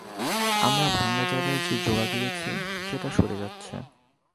আমরা ভাঙ্গা জায়গায় যে জোড়া দিয়েছি, সেটা সরে যাচ্ছে।